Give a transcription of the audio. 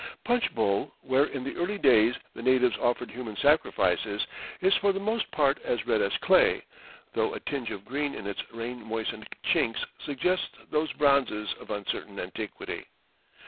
Punchbowl, where in the early days the natives offered human sacrifices, "is for the most part as red as clay, though a tinge of green in its rain moistened chinks suggests those bronzes of uncertain antiquity."